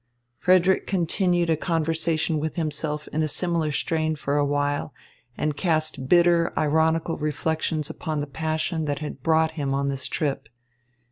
Frederick continued a conversation with himself in a similar strain for a while, and cast bitter, ironical reflections upon the passion that had brought him on this trip.